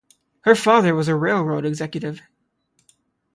Her father was a railroad executive.